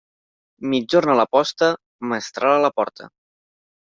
Migjorn a la posta, mestral a la porta.